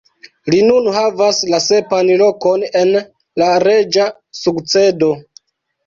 Li nun havas la sepan lokon en la reĝa sukcedo.